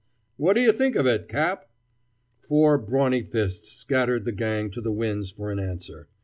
"What do you think of it, Cap?" Four brawny fists scattered the gang to the winds for an answer.